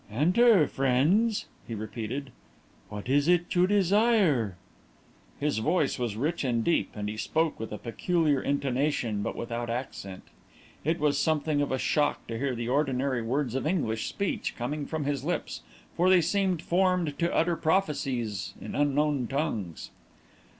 "Enter, friends," he repeated. "What is it you desire?" His voice was rich and deep, and he spoke with a peculiar intonation, but without accent. It was something of a shock to hear the ordinary words of English speech coming from his lips, for they seemed formed to utter prophecies in unknown tongues.